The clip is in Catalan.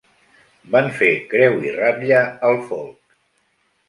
Van fer creu i ratlla al folk.